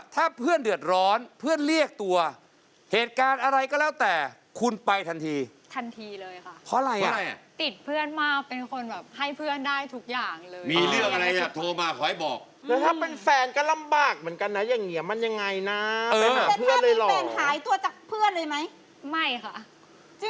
ถ้าเพื่อนเดือดร้อนเพื่อนเรียกตัวเหตุการณ์อะไรก็แล้วแต่คุณไปทันทีทันทีเลยค่ะเพราะอะไรอ่ะติดเพื่อนมากเป็นคนแบบให้เพื่อนได้ทุกอย่างเลยมีเรื่องอะไรอยากโทรมาขอให้บอกแล้วถ้าเป็นแฟนก็ลำบากเหมือนกันนะอย่างเงียบมันยังไงนะเออถ้ามีแฟนหายตัวจากเพื่อนเลยบอกว่าถ้าเพื่อนเดือดร้อนเพื่อนเรียกตัวเหตุการณ์อะไรก็แล้วแต่คุณไป